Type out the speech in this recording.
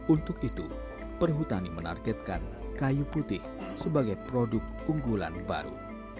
untuk itu perhutani menargetkan kayu putih sebagai produk unggulan baru